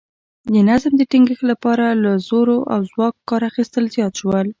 د نظم د ټینګښت لپاره له زور او ځواکه کار اخیستل زیات شول